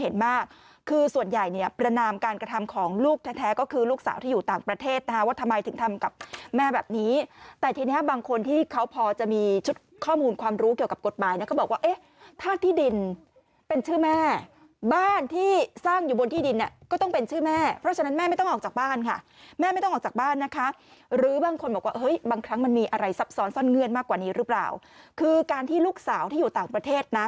ทำกับแม่แบบนี้แต่ทีนี้บางคนที่เขาพอจะมีชุดข้อมูลความรู้เกี่ยวกับกฎหมายก็บอกว่าถ้าที่ดินเป็นชื่อแม่บ้านที่สร้างอยู่บนที่ดินก็ต้องเป็นชื่อแม่เพราะฉะนั้นแม่ไม่ต้องออกจากบ้านค่ะแม่ไม่ต้องออกจากบ้านนะคะหรือบางคนบอกว่าเฮ้ยบางครั้งมันมีอะไรซับซ้อนซ่อนเงื่อนมากกว่านี้หรือเปล่าคือการที่ลูกสา